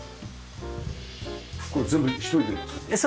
これ全部１人で使って？